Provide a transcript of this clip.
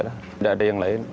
tidak ada yang lain